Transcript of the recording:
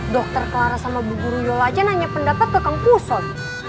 dokter clara sama bu guru yoyo aja nanya pendapat ke kampusoy